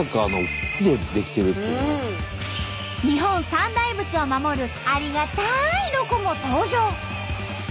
日本三大仏を守るありがたいロコも登場。